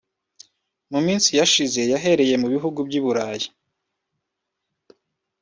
mu minsi yashize yahereye mu bihugu by’u Burayi